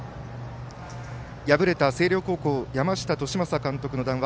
敗れた星稜高校山下監督の談話